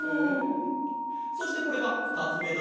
そしてこれがふたつめだ。